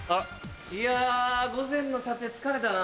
・いや午前の撮影疲れたな・